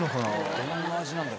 どんな味なんだろ？